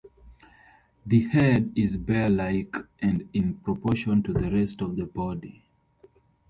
The head is bear-like and in proportion to the rest of the body.